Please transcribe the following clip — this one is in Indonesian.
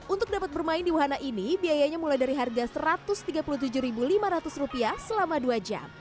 untuk dapat bermain di wahana ini biayanya mulai dari harga rp satu ratus tiga puluh tujuh lima ratus selama dua jam